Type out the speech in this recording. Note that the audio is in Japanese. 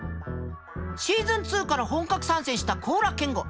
シーズン２から本格参戦した高良健吾